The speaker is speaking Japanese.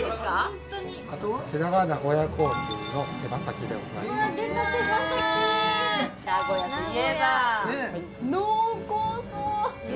ホントに・こちらが名古屋コーチンの手羽先でございます出た手羽先名古屋といえば濃厚そう！